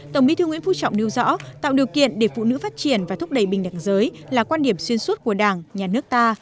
tổng bí thư nguyễn phú trọng nêu rõ tạo điều kiện để phụ nữ phát triển và thúc đẩy bình đẳng giới là quan điểm xuyên suốt của đảng nhà nước ta